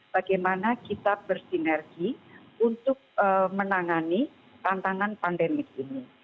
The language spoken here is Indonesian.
bagaimana kita bersinergi untuk menangani tantangan pandemik ini